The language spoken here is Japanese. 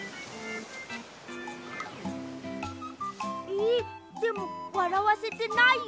えっでもわらわせてないよ？